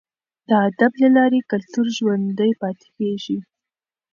د ادب له لارې کلتور ژوندی پاتې کیږي.